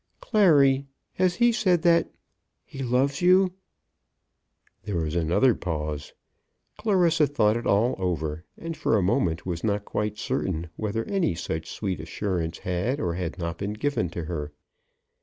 "Clary, has he said that, he loves you?" There was another pause. Clarissa thought it all over, and for a moment was not quite certain whether any such sweet assurance had or had not been given to her.